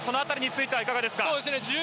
その辺りについてはいかがですか。